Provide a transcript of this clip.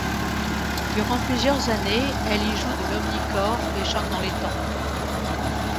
Durant plusieurs années elle y joue de l'omnichord et chante dans les temples.